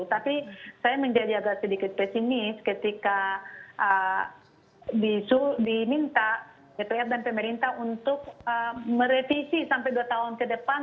tapi saya menjadi agak sedikit pesimis ketika diminta dpr dan pemerintah untuk merevisi sampai dua tahun ke depan